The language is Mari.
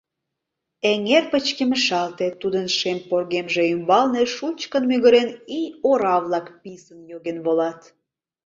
Эҥер пычкемышалте, тудын шем поргемже ӱмбалне, шучкын мӱгырен, ий ора-влак писын йоген волат.